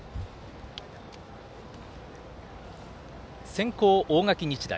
先攻、大垣日大。